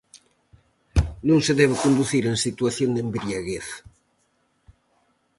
Non se debe conducir en situación de embriaguez.